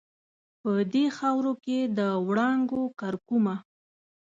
په دې خاورو کې د وړانګو کرکومه